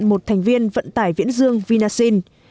một thành viên vận tải viễn dương vinasin